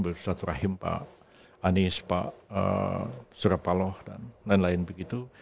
bisa satu rahim pak anies pak surapaloh dan lain lain begitu